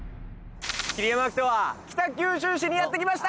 桐山照史は北九州市にやってきました！